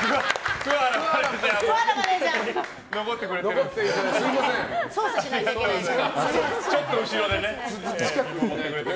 桑原マネジャーも残ってくれて。